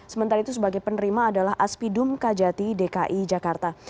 sementara itu sebagai penerima adalah aspidum kajati dki jakarta